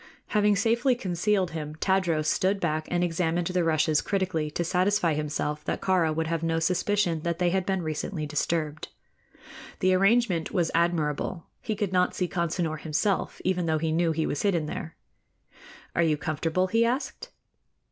Having safely concealed him, Tadros stood back and examined the rushes critically to satisfy himself that Kāra would have no suspicion that they had been recently disturbed. The arrangement was admirable. He could not see Consinor himself, even though he knew he was hidden there. "Are you comfortable?" he asked.